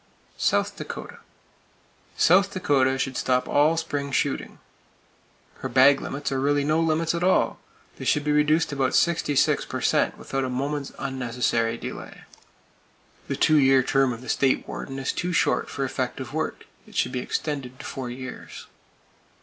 South Dakota: South Dakota should stop all spring shooting. Her game bag limits are really no limits at all! They should be reduced about 66 per cent without a moment's unnecessary delay. The two year term of the State Warden is too short for effective work. It should be extended to four years.